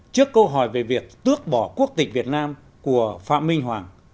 trước câu hỏi về việc tước bỏ quốc tịch việt nam của phạm minh hoàng